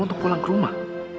untuk pulang ke rumah